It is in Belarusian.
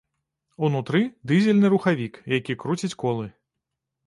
Унутры дызельны рухавік, які круціць колы.